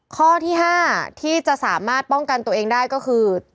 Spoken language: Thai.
ข้อที่๕ที่จะสามารถป้องกันตัวเองได้ก็คือ